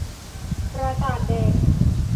ประสาทแดก